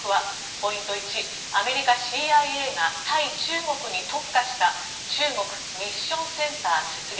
ポイント１、アメリカＣＩＡが対中国に特化した中国ミッションセンター設立。